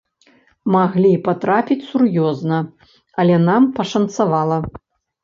Маглі патрапіць сур'ёзна, але нам пашанцавала.